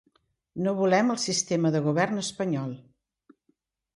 No volem el sistema de govern espanyol.